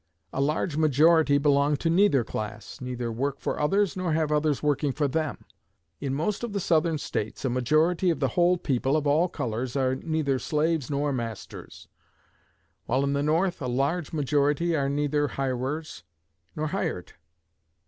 A large majority belong to neither class neither work for others, nor have others working for them. In most of the Southern States, a majority of the whole people of all colors are neither slaves nor masters; while in the North, a large majority are neither hirers nor hired.